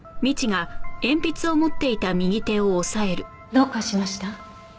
どうかしました？